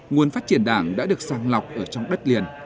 nguồn phát triển đảng đã được sàng lọc ở trong đất liền